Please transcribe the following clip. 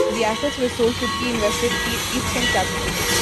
The assets were sold to key investor East Kent Capitol.